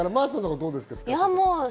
どうですか？